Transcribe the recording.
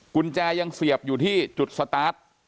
กุญแจยังเสียบอยู่ที่จุดสตาร์ท